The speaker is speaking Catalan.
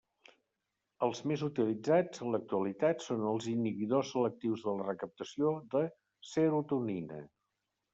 Els més utilitzats, en l'actualitat, són els inhibidors selectius de la recaptació de serotonina.